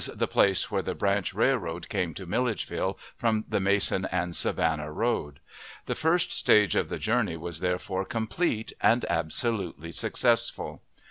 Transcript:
the place where the branch railroad came to Milledgeville from the Mason & Savannah road. The first stage of the journey was, therefore, complete, and absolutely successful.